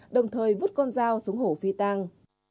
đồng thời vút con dao xuống hổ phi tăng